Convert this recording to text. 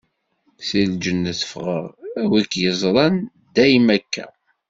Si lǧennet ffɣeɣ, a wi k-yeẓran dayem akka!